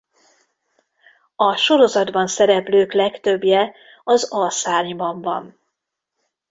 A sorozatban szereplők legtöbbje az A szárnyban van.